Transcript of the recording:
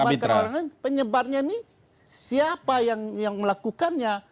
kalau dikejar oleh orang lain penyebarnya ini siapa yang melakukannya